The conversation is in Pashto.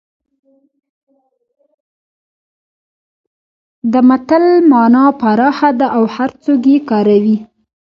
د متل مانا پراخه ده او هرڅوک یې کاروي